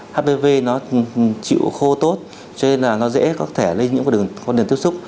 hpv nó chịu khô tốt cho nên là nó dễ có thể lây nhiễm qua đường tiếp xúc